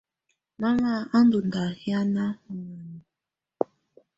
Mama à ndɔ̀ ndà hianà ù nioni.